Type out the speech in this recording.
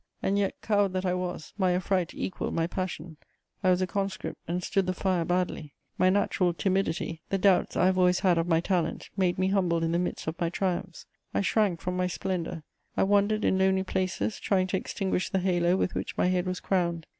And yet, coward that I was, my affright equalled my passion: I was a conscript and stood the fire badly. My natural timidity, the doubts I have always had of my talent, made me humble in the midst of my triumphs. I shrank from my splendour; I wandered in lonely places, trying to extinguish the halo with which my head was crowned.